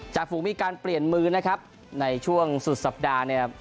ฝูงมีการเปลี่ยนมือนะครับในช่วงสุดสัปดาห์เนี่ย